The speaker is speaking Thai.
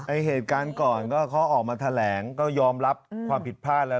เหตุการณ์ก่อนก็เขาออกมาแถลงก็ยอมรับความผิดพลาดแล้ว